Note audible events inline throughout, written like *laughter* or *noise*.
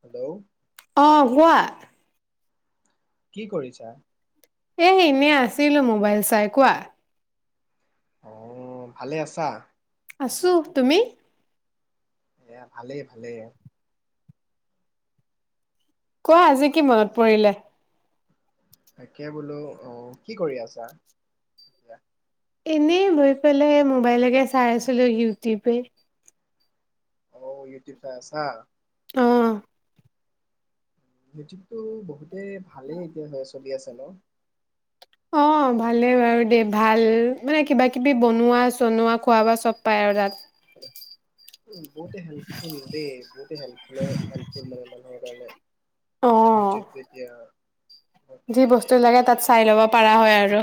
Hello অ' কোৱা কি কৰিছা? এ এনে আছিলো মোবাইল চাই কোৱা অ ভালে আছা আছো তুমি? এয়া ভালেই ভালে কোৱা আজি কি মনত পৰিলে? তাকে বোলো অ কি কৰি আছা এতিয়া? এনেই লৈ পেলাই মোবাইলকে চাই আছিলো ইউটিউবে অ ইউটিউব চাই আছা। অঁ *inaudible* বহুত এ ভালেই এতিয়া হৈ আছো। চলি আছে ন অ' ভালেই বাৰু দেই ভাল মানে কিবা কিবি বনোৱা চনোৱা খোৱা বোৱা চব পায় আৰু তাত উম, বহুতে হেল্পফুল দেই বহুতে হেল্পফুল অ ইউটিউব এতিয়া, যি বৰ্তমানত বস্তু লাগে তাত চাই ল'ব পাৰা হয় আৰু।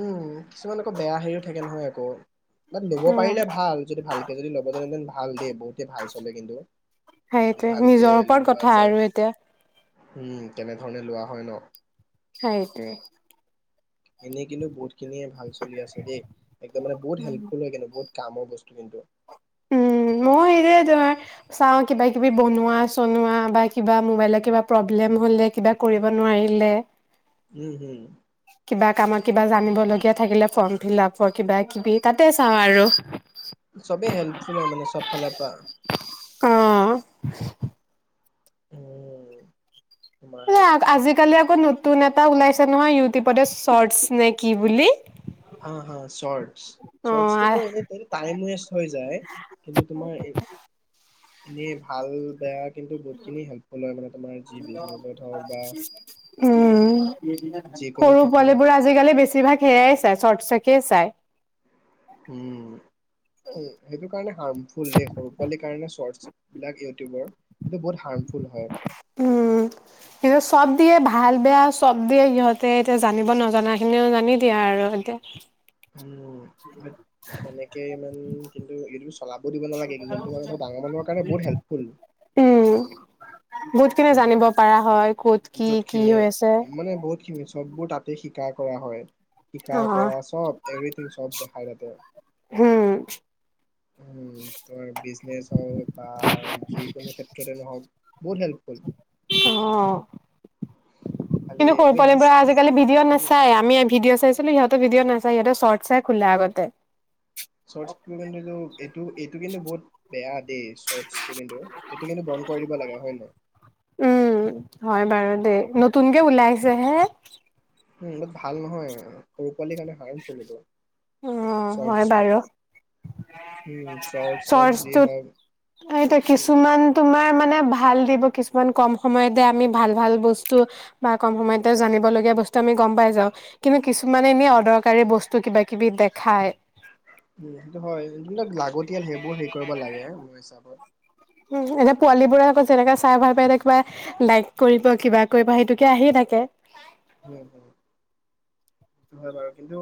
উম, কিছুমান আকৌ বেয়া হেৰিও থাকে নহয় আকৌ। বাত, ল'ব অ পাৰিলে ভাল যদি ভাল যদি ল'ব জানে দেন ভাল দেই, বহুতে ভাল চলে কিন্তু। সেইটোৱে, ভালকে নিজৰ ওপৰত লোৱা কথা যায় আৰু এতিয়া। উম, কেনেধৰণে লোৱা হয় ন? সেইটোৱেই। এনেই কিন্তু বহুত খিনিয়ে ভাল চলি আছে দেই, একদম মানে বহুত হেল্পফুল হয় কিন্তু বহুত কামৰ বস্তু কিন্তু। উম', নহয়, এই যে ধৰা, চাওঁ কিবা কিবি বনোৱা চনোৱা বা কিবা ম'বাইলৰ কিবা প্ৰব্লেম হ'লে, কিবা কৰিব নোৱাৰিলে উম' হুম। কিবা কামত কিবা জানিব লগীয়া থাকিলে, ফৰ্ম ফিল আপৰ কিবা কিবি তাতে চাওঁ আৰু। চবেই হেল্পফুল হয় মানে চব ফালৰ পৰা। অ', উম। তোমাৰ আজিকালি আকৌ নতু তুন এটা ওলাইছে নহয় ইউটিউবতে চৰ্টছ নে কি বুলি। হা হা চৰ্টছ, চৰ্টছটো অ', বাৰু এনে সেইটো টাইম ৱেষ্ট হৈ যায়, কিন্তু তোমাৰ এই এনেই ভাল, বেয়া কিন্তু বহুতখিনি হেল্পফুল হয় মানে তোমাৰ যি বিজনেছত হওক বা উম'। যিকোনো সৰু ক্ষেত্ৰতে পোৱালি হওক বোৰে আজিকালি বেছিভাগ সেইয়াই চই, চৰ্টছ নে কি। তাকে চাই। উম, এই-সেইটো কাৰণে হাৰ্মফুল দে, সৰু পোৱালিৰ কাৰণে চৰ্টছ বিলাক ইউটিউবৰ, সেইটো বহুত হাৰ্ম উম, এইযে চব দিয়ে, ভাল বেয়া চব দিয়ে সিহঁতে, এতিয়া জানিব নজনা খিনিও জানি দিয়ে আৰু এতিয়া। উম, তেনেকে ইমান কিন্তু, এইটো বচ চলাব দিব নালাগে কিন্তু, জোনটো মানে ধৰা ডাঙৰ মানুহৰ কাৰণে বহুত হেল্পফুল বহুতখিনি কিন্তু জানিব পাৰা হয়, ক'ত কি কি য'তখিনি হৈ আছে। শা কৰা হয়। শিকা কৰা চব, এভৰিথিং চব দেখাই তাতে। হুম উম তোমাৰ বিজনেচ হওঁক বা যিকোনো ক্ষেত্ৰতে নহওক বহুত হেল্পফুল। অ খালি কিন্তু সৰু খালি দিছ পোৱালিবোৰে আজিকালি ভিডিঅ' নেচাই আমি ভিডিঅ' চাইছিলো সিহঁতে ভিডিঅ' নাচাই চৰ্ত চাই খোলা আগতে। *unintelligible* এইটো এইটো কিন্তু বহুত বেয়া দেই চৰ্তচটো কিন্ত সেইটো কিন্তু বন্ধ কৰি দিব লাগে হয় নে নহয়? উম, হয় বাৰু দেই, নতুনকে উলাইছে হে। উম বাত ভাল নহয়, সৰু পোৱালিৰ কাৰণে হাৰ্মফুল এইটো। উম হয় চৰ্টছটো বাৰু, উম চৰ্ট চক যি চৰ্তছটোত হওক এতিয়া কিছুমান তোমাৰ মাৰ মানে ভাল দিব। কিছুমান কম সময়তে আমি ভাল ভাল বস্তু বা কম সময়তে জানিবলগীয়া বস্তু আমি গম পাই যাও কিন্তু কিছুমান এনে অদৰকাৰী বস্তু কিবা কিবি দেখায়। উম সেইটো হয়, যুনবিলাক লাগতিয়াল সেইবোৰ হেৰি কৰিব লাগে মোৰ হিচাপত। উম এতিয়া পোৱালীবোৰে আকৌ যেনেকে চাই ভাল পায় এতিয়া কিবা লাইক কৰিব, কিবা কৰিব সেইটোকে আহিয়েই থাকে। হুম হুম হয় বাৰু কিন্তু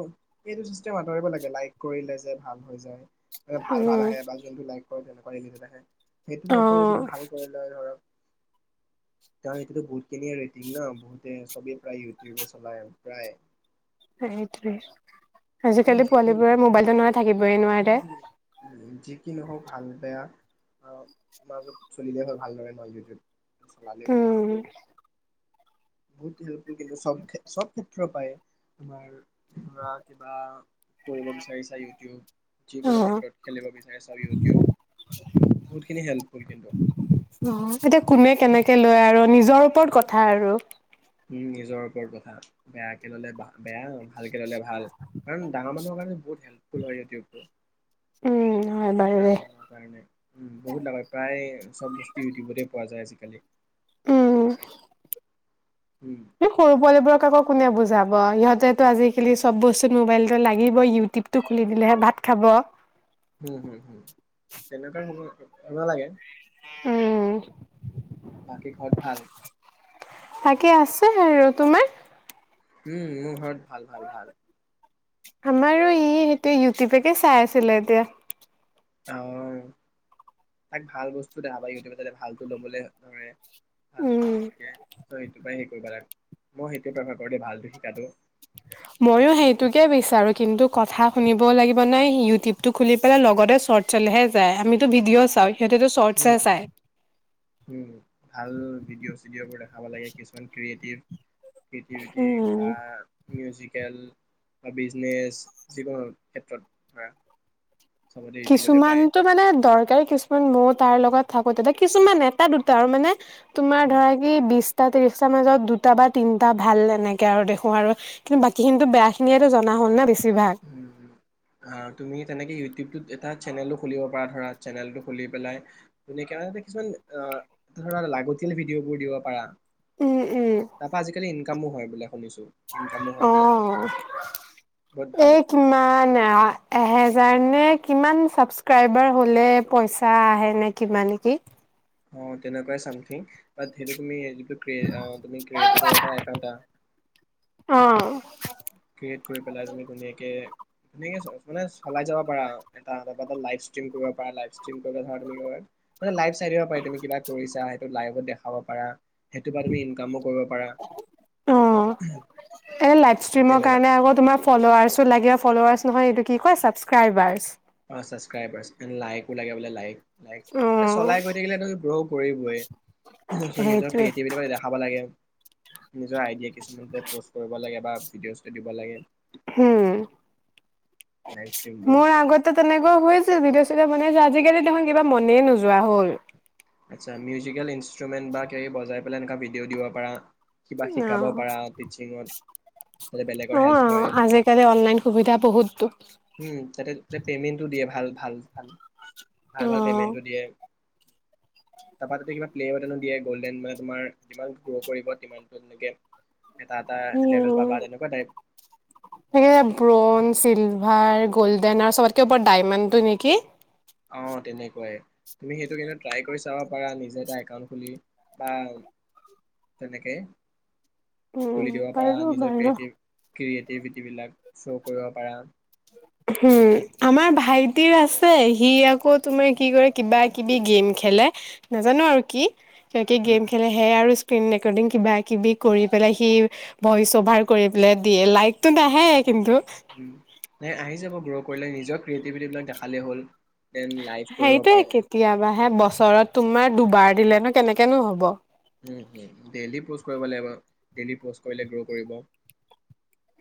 এইটো চিষ্টেম আঁতৰিব লাগে লাইক কৰিলে যে ভাল হৈ যায়। মানে ভাল ভাল উম, আহে বা যোনটো লাইক কৰে তেনে *unintelligible* সেইটো নকৰি অ', যদি ভাল কৰিলে হয়। কাৰণ সেইতটো বহুত খিনিয়ে ৰেটিং ন? বহুতে চবেই প্ৰায় ইউটিউবে চলায় আৰু প্ৰায় সেইটোৱে কাৰণ আজিকালি যিহেতু পোৱালীবোৰে মোবাইলতো নহয় থাকিবই নোৱাৰে। উম যি কি নহওক ভাল বেয়া আৰু মাজত চলিলে হয় ভালদৰে *unintelligible* চৱালে হল উম, কিন্তু বহুত হেল্পফুল কিন্তু চব চব ক্ষেত্ৰৰ পায়, তোমাৰ ধৰা কিবা কৰিব বিচাৰিছা ইউটিউব যিকোনো অ', ক্ষেত্ৰত খেলিব বিচাৰে চৰি ইউটিউব বহুতখিনি হেল্প ফুলকন্দ অ এতিয়া কোনে কেনেকে লয় আৰু নিজৰ ওপৰত কথা আৰু। উম নিজৰ ওপৰত কথা বেয়াকে ললে বেয়া, ভাল কে ললে ভাল কাৰণ ডাঙৰ মানুহৰ কাৰণে বহুত হেল্পফুল হয় ইটিউবটো। উম, হয় বাৰু দে। ডাঙৰ মানুহৰ কাৰণে, উম বহুত হয় প্ৰায় চব বস্তু ইউটিউবতে পোৱা যায় আজিকা খালে উম, উম এই সৰু পোৱালীবোৰক আকৌ কোনে বুজাব, সিহঁতে তহ আজিকালি চব বস্তুত মোবাইলতো লাগিব ইউটিউব টো খুলি দিলেহে ভাত খাব। হম নালাগে। উম বাকী ঘৰত ভাল? তাকে আছে আৰু তোমাৰ। উম, মোৰ ঘৰত। ভাল ভাল ভাল। আমাৰো ই সেইটো ইউটিউবকে চাই আছিলে এতিয়া। অ', তাক ভাল বস্তু দেখাবা ইউটিউবত, যাতে ভালটো ল'বলৈ ধৰে। ভালটো উম যদি শিকে, চ' এইটো পৰাই হেৰি কৰিবা তাক। মই সেইটোৱে প্ৰেফাৰ কৰোঁ দেই, ভালটো শিকাটো। ময়ো সেইটোকে বিচাৰো কিন্তু কথা শুনিব লাগিব নাই। ইউটিউবতটো খুলি পেলাই লগতে চর্টচ চলেহে যায়। আমিতো ভিডিঅ' চাওঁ। সিহঁতেতো উ, চৰ্টচহে চায়। উ ভাল ভিডিঅ' চিডিঅ'বোৰ দেখাব লাগে কিছুমান ক্ৰিয়েটিভ। খিতিউটি উম। বা মিউজিক। খেল বা বিজনেছ যিকোনো ক্ষেত্ৰত ধৰা। চবতে ইউটিউবতে পায় কিছুমানটো মানে দৰকাৰী। কিছুমান মও তাৰ লগত থাকোঁতে, কিছুমান এটা দুটা আৰু মানে। তোমাৰ ধৰা কি বিচ। টা ত্ৰিশটাৰ মাজত দুটা বা তিনটা ভাল এনেকে আৰু দেখো আৰু কিন্তু বাকীখিনিতো বেয়া খিনিয়েটো জনা হ'ল না, বেছি। উম আৰু তুমি তেনেকে ইউটিউব টোত। এটা চেনেলটো খুলিব পাৰা ধৰা চেনেলটো খুলি পেলাই *inaudible* কিছুমান ধৰা লাগতিয়াল ভিডিঅ'বোৰ দিব পাৰা। উম উম। তাপা আজিকালি ইনকামো হয়। বোলে শুনিছো ইনকামো হয় বোলে। ভাল এ কিমান। *inaudible* এহেজাৰ নে কিমান ছাবস্ক্ৰাইবাৰ হলে পইচা আহে নে কিবা, নেকি? অ' তেনেকুৱাই চামথিং বাত সেইটো তুমি। তুকি অ‌ তুমি ক্ৰিয়েটো কৰিব পাৰা একাউণ্ট এটা। অ'। ক্ৰিয়েট কৰি পেলাই তুমি ধুনীয়াকে। *inaudible* মানে চলাই যাব পাৰা। এটা *inaudible* লাইপ ষ্ট্ৰিম কৰিব পাৰা। লাইপ ষ্ট্ৰিম কৰিব ধৰা‌ লাইপ ষ্ট্ৰিম। চাই দিব পাৰি তুমি কৰিছা। লাইভত' দেখাব পাৰা। সেইটো পা তুমি ইনকামো কৰিব পাৰা। ষ্ট্ৰিমৰ তেনেকা কাৰণে আকৌ তোমাৰ ফল'। *unintelligible* লাগে ফ'ল'ৱাৰ্ছ নহয় এইটো কি কয় ছাবস্ক্ৰাইবাৰ্ছ অ' ছাবস্ক্ৰাইবাৰ্ছ, লাইকো লাগে বোলে লাইক। এ, চলাই গৈ থাকিলেটো গ্ৰ' কৰিবই। চ', নিজৰ সেইটোৱে ক্ৰিয়েটিভিটিবিলাক দেখাব লাগে। নিজৰ আইডিয়া কিছুমান প'ষ্ট কৰিব লাগে, বা ভিডিঅ'জটো দিব লাগে। হম। লাইভ ষ্ট্ৰীমবোৰ। মোৰ আগতে তেনেকুৱা হৈছিল। ভিডিঅ'-চিডিঅ' মানে, যে আজিকালি দেখোন, কিবা মনেই নোযোৱা হ'ল। আচ্ছা, মিউজিকেল ইনষ্ট্ৰুমেণ্ট বা কিবা-কিবি বজাই পেলাই, এনেকুৱা ভিডিঅ'ও দিব পাৰা। কিবা শিকাব অ', পাৰা টিচিঙত যাতে বেলেগৰ অ', হেল্প অ'। হয়। আজিকালি অনলাইন সুবিধা বহুততো উম, তাতে পেমেণ্টটো দিয়ে। ভাল, ভাল, ভাল। ভাল, ভাল অ', পেমেণ্টটো দিয়ে। তাৰপৰা, তাতে কিবা প্লে বুটনো দিয়ে। গ'ল্ডেন, মানে, তোমাৰ যিমান গ্ৰ' কৰিব, সিমানতো লৈকে হম, থাকে ব্ৰন চিলভাৰ, গ'ল্ডেন, আৰু চবতকে ওপৰত ডাইমণ্ডটো নেকি? অ', তেনেকুৱাই। তুমি সেইটো কিন্তু ট্ৰাই কৰি চাব পাৰা। নিজে এটা একাউণ্ট খুলি, বা তেনেকে খুলি উম, দিব পাৰা বাৰু, নিজৰ বাৰু। ক্ৰিয়েটিভ ক্ৰিয়েটিভিটিবিলাক শ্ব' কৰিব পাৰা। হম, আমাৰ ভাইটিৰ আছে। সি আকৌ, তোমাৰ, কি কৰে, কিবা-কিবি গেম খেলে, নাজানো, আৰু কি কিবা-কিবি উম গেম খেলে, সেইয়া আৰু স্ক্ৰীন ৰেকৰ্ডিং, কিবা-কিবি কৰি পেলাই। সি ভইচ-অভাৰ কৰি পেলাই দিয়ে। লাইকটো নাহে, কিন্তু উম, নাই আহে আহি যাব। গ্ৰ' কৰিলে, নিজৰ ক্ৰিয়েটিভিটিবিলাক দেখালেই হ'ল। দেন লাইভ কৰিব সেইটোৱেই পাৰে কেতিয়াবা হে বচ বছৰত তোমাৰ দুবাৰ দিলে নো, কেনেকে নো হ'ব? উম, হম। ডেইলি প'ষ্ট কৰিব লাগিব। ডেইলি প'ষ্ট কৰিলে, গ্ৰ' কৰিব।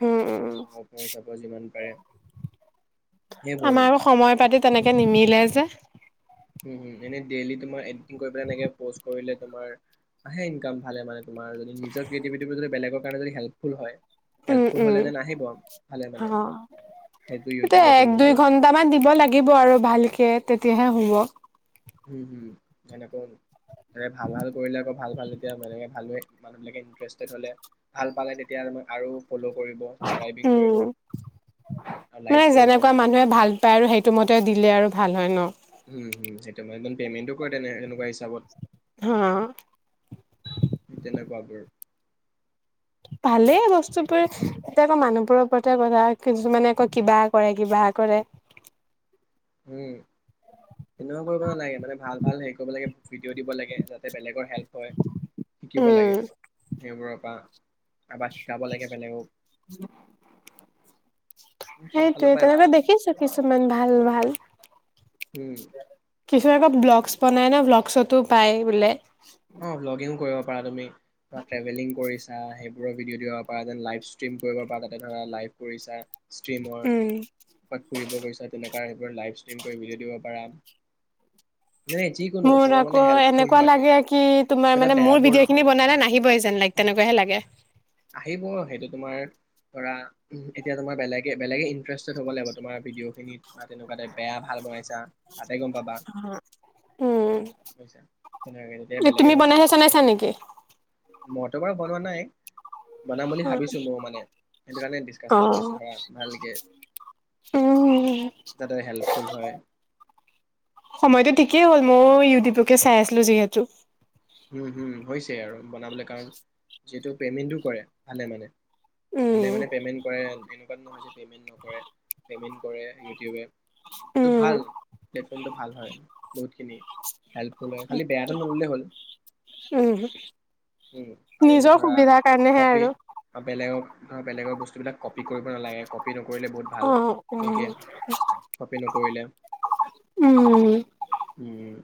উম উম *unintelligible* যাব যিমান পাৰে। সেইবোৰ আমাৰো সময় পাতি তেনেকে নিমিলে যে হম, হম। এনে ডেইলি তোমাৰ এডিটিং কৰি পেলাই, এনেকে প'ষ্ট কৰিলে, তোমাৰ আহে ইনকাম ভালে, মানে তোমাৰ যদি নিজৰ ক্ৰিয়েটিভিটিটো যদি বেলেগক কাৰণে যদি হেল্পফুল হয় উম, হেল্পফুল উম। হ'লে যেন আহিব ভালে মানে অ', সেইটো ইয়াতে ইউটিউবে এক-দুই পে'মেণ্টটোৰ ঘণ্টামান দিব লাগিব, আৰু ভালকে তেত তিয়াহে হ'ব। উম, উম। এনেকৈ ভাল-ভাল কৰিলে, আকৌ ভাল-ভাল। যেতিয়া এনেকে ভালকৈ মানুহবিলাকে ইণ্টাৰেষ্টেড হ'লে, ভাল পালে, তেতিয়া তোমাক আৰু ফ'ল' কৰিব ছাবস্ক্ৰাইবিং কৰিব উম, আৰু লাইক মানে, কৰিব যেনেকুৱা মানুহে ভাল পায়, আৰু সেইটো মতে দিলে, আৰু ভাল হয় ন। উম, উম *unintelligible* পেমেণ্টো কৰে তেনে এনেকুৱা হিচাপত। হা, বাবৰ। ভালেই বস্তুবোৰ। *unintelligible* মানুহবোৰৰ ওপৰতে কথা কিছু মানে কয় কিবা কৰে, কিবা কৰে। উম,। সেনেকুৱা কৰিব নালাগে, মানে ভাল ভাল হেৰি কৰিব লাগে। ভিডিঅ' দিব লাগে যাতে বেলেগৰ হেল্প হয়, শিকিব উম লাগে সেইবোৰ। *unintelligible* আবাস যব লাগে বেলেগক। চব ফালৰ সেইটোয়ে পৰাই তেনেকে ভাল দেখিছো কিছুমান ভাল ভাল। উম কিছু আকৌ ব্লগছ বনাই ন, ব্লগ। চতো পায় বোলে। অ, লগ ইন কৰিব। পা তুমি। ট্ৰেভেলিং কৰিছা সেই ভিডিঅ' দিব পাৰা যেন লাইভ ষ্টিম কৰিব পাৰা তাতে ধৰা লাইভ কৰিছা। ষ্ট্ৰ্ৰীমৰ উম তাত ফুৰিব গৈছা চাইবৰ লাইফষ্টিম কৰি বুজাই দিব পাৰা। নাই যিকোনো মোৰ চব আকৌ মানে হেল্পকৰিব এনেকুৱা লাগে। কি তোমাৰ মানে মোৰ ভিডিঅ' খিনি বনালে নাহিব আজি। যেন লাইক তেনেকুৱাহে লাগে। আহিব সেইটো তোমাৰ ধৰা, এতিয়া তোমাৰ বেলেগে বেলেগে ইণ্টাৰেষ্টেড হব লাগিব, তোমাৰ ভিডিঅ' খিনি বা তেনেকুৱা বেয়া ভাল বনাইছা। তাতে গম পাবা উম, বুজিছা তেনেকুৱাকে তেতিয়া তুমি বনাইছা চ নাইছা নেকি? মটৰ বাৰ সলোৱা নাই। বনাম বুলি ভাবিছোঁ ময়, মানে সেইটো কাৰণে অ ডিছকাছটো কৰিছোঁ, ধৰা ভালকে উম যাতে হেল্পফুল হয়। কি হ'ল মইয় ইউটিউবকে চাই আছিলো যিহেতু। উম, হম, হৈছে আৰু বনাবলৈ কাৰণ। যিহেতু পে'মেণ্টো কৰে ভালে মানে ভালে উম, মানেে কৰে, এনেকোৱা নহয় যে পে'মেণ্ট নকৰে, পেমেণ্ট কৰে ইউটিউবে চব উম, ভাল, প্লেটফৰ্মটো ভাল হয়। বহুতখিনি হেল্পফুল হয়, খালি বেয়াটো নললে হ'ল। উহু। উম, আৰু ধৰা কাৰণেহে কপি আৰু। বা বেলেগক হা বেলেগৰ বস্তু বিলাক কপি কৰিব নালাগে, কপি কৰিলে বহুত ভাল, অ', বিশেষকে উম, কপি নকৰিলে। উম। উম।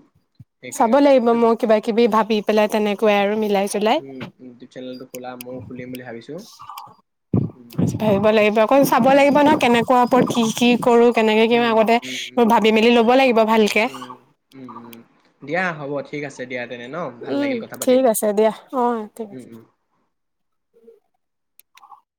চাব সেইকাৰণে লাগিব সেইটো মই ভাল কিবা কিবি ভাবি পেলাই তেনে কয় আৰু মিলায় উম, উম। তো চেনেলটো খোলা ময়ো খুলিম বুলি ভাবিছোঁ। *unintelligible* ভাবিব লাগিব, আকৌ চাব লাগিব ন কেনেকুৱা *unintelligible* কৰোঁ কেনেকে কে উম উম আগতে উম উম মই ভাবি মেলি ল'ব লাগিব ভালকে। উম উম উম দিয়া হ'ব, ঠিক আছে দিয়া। তেনে ন ভাল উম লাগিল কথা পাতি ঠিক আছে দিয়া উম ঠিক আ